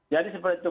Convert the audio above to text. jadi seperti itu